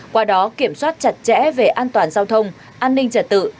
qua đó kiểm soát chặt chẽ về an toàn giao thông an ninh trật tự